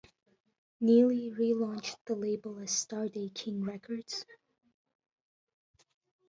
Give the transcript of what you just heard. Neely relaunched the label as Starday-King Records.